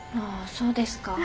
そうですか。